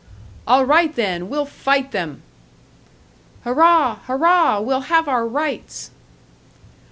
"All right, then we'll fight them!" "Hurrah! Hurrah! We'll have our rights!"